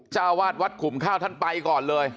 เจ้าวาดวัดขุมข้าวท่านไปก่อนเลย